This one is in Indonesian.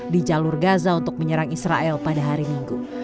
di jalur gaza untuk menyerang israel pada hari minggu